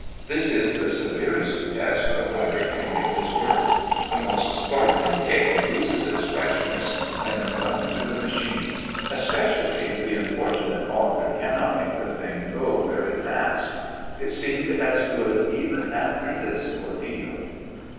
This is the severest test a writer can give his work. The most sparkling tale loses its freshness when run through the machine, especially if the unfortunate author cannot make the thing go very fast. It seemed as good even after this ordeal.